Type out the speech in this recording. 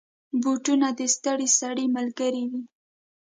بوټونه د ستړي سړي ملګری وي.